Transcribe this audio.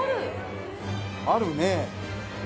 あるね。